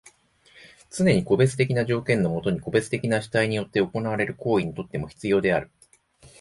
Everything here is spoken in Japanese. つねに個別的な条件のもとに個別的な主体によって行われる行為にとっても必要である。